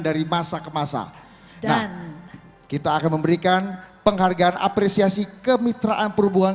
dari masa ke masa nah kita akan memberikan penghargaan apresiasi kemitraan perhubungan